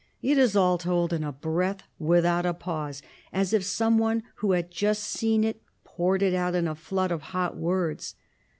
It is all told in a breath, without a pause, as if some one who had just seen it poured it out in a flood of hot words.